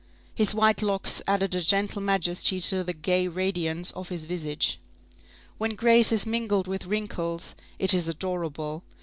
His white locks added a gentle majesty to the gay radiance of his visage. When grace is mingled with wrinkles, it is adorable.